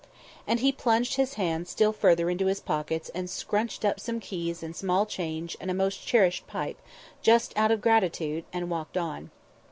And he plunged his hands still further into his pockets and scrunched up some keys and small change and a most cherished pipe, just out of gratitude, and walked on.